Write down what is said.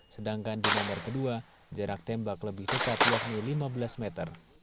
sedangkan di nomor kedua jarak tembak lebih pesat yakni lima belas meter